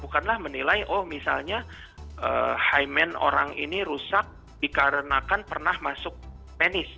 bukanlah menilai oh misalnya high man orang ini rusak dikarenakan pernah masuk penis